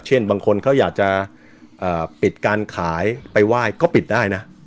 บางคนเขาอยากจะปิดการขายไปไหว้ก็ปิดได้นะ